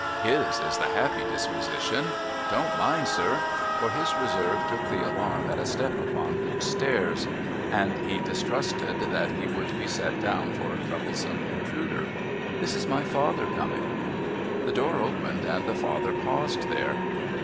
' His is the happy disposition !— Don't mind, sir !' For his reserve took the alarm at a step upon the stairs, and he distrusted that he would be set down for a troublesome intruder. ' This is my father coming.' The door opened, and the father paused there.